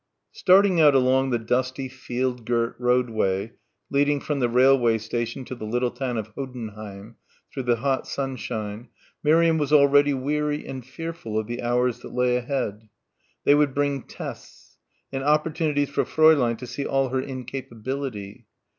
13 Starting out along the dusty field girt roadway leading from the railway station to the little town of Hoddenheim through the hot sunshine, Miriam was already weary and fearful of the hours that lay ahead. They would bring tests; and opportunities for Fräulein to see all her incapability.